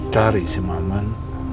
cari si maman